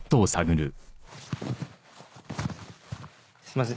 すいません。